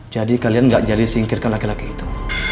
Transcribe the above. jadi kalian gak jali singkirkan laki laki itu